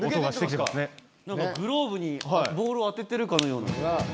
なんかグローブにボールを当ててるかのような。